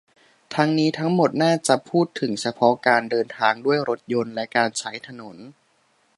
ทั้งนี้ ทั้งหมดน่าจะพูดถึงเฉพาะการเดินทางด้วยรถยนต์และการใช้ถนน